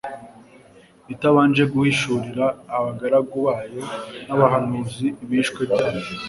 itabanje guhishurira abagaragu bayo b'abahanuzi ibihishwe byayo."